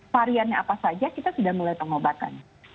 variannya apa saja kita sudah mulai pengobatan